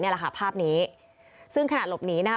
แหละค่ะภาพนี้ซึ่งขณะหลบหนีนะคะ